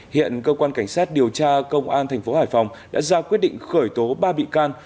hiện cơ quan cảnh sát điều tra công an thành phố hải phòng đã ra quyết định khởi tố ba bị can